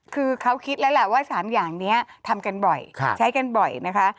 คือเขาคิดแล้วแหละว่า๓อย่างนี้ทำกันบ่อยใช้กันบ่อยนะคะ